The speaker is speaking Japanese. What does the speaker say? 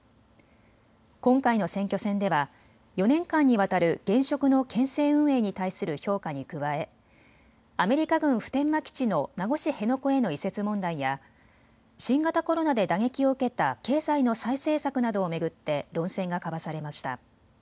今回の選挙戦では４年間にわたる現職の県政運営に対する評価に加えアメリカ軍普天間基地の名護市辺野古への移設問題や新型コロナで打撃を受けた経済の再生策などを巡って論戦が交わされました。